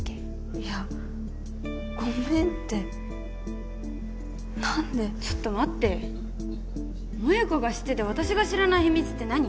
いやごめんって何でちょっと待って萌子が知ってて私が知らない秘密って何？